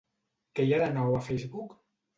Què hi ha de nou a Facebook?